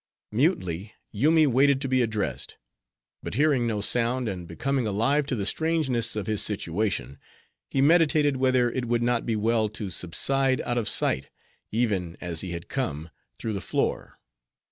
Mutely Yoomy waited to be addressed; but hearing no sound, and becoming alive to the strangeness of his situation, he meditated whether it would not be well to subside out of sight, even as he had come—through the floor.